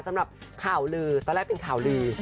สำหรับข่าวลือตอนแรกเป็นข่าวลือ